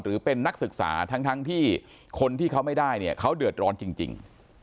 หรือเป็นนักศึกษาทั้งที่คนที่เขาไม่ได้เนี่ยเขาเดือดร้อนจริง